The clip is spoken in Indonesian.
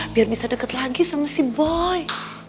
biar bisa deket lagi sama si boy